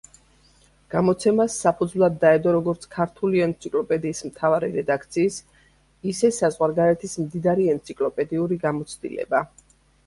გამოცემას საფუძვლად დაედო როგორც ქართული ენციკლოპედიის მთავარი რედაქციის, ისე საზღვარგარეთის მდიდარი ენციკლოპედიური გამოცდილება.